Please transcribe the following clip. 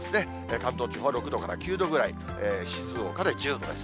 関東地方は６度から９度ぐらい、静岡で１０度です。